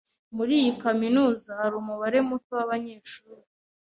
Muri iyi kaminuza hari umubare muto wabanyeshuri.